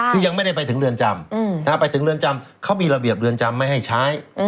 คือยังไม่ได้ไปถึงเรือนจำถ้าไปถึงเรือนจำเขามีระเบียบเรือนจำไม่ให้ใช้